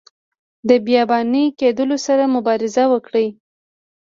د بیاباني کیدلو سره مبارزه وکړي.